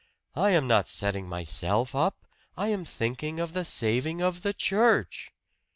I am not setting myself up! I am thinking of the saving of the church!"